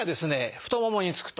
太ももにつくと。